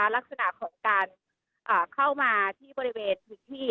ลักษณะของการเข้ามาที่บริเวณพื้นที่